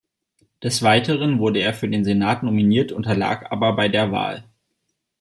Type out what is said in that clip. Des Weiteren wurde er für den Senat nominiert, unterlag aber bei der Wahl.